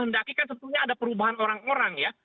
mendaki kan sebetulnya ada perubahan orang orang ya